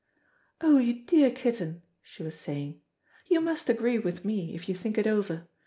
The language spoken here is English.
"Oh, you dear kitten," she was saying, "you must agree with me, if you think it over.